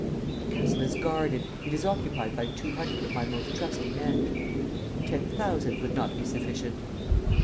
"The castle is guarded. It is occupied by two hundred of my most trusty men." "Ten thousand would not be sufficient."